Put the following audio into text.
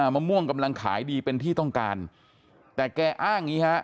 มะม่วงกำลังขายดีเป็นที่ต้องการแต่แกอ้างอย่างงี้ฮะ